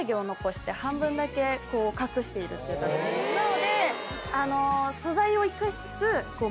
なので。